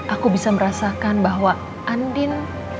aku bisa merasakan bahwa andin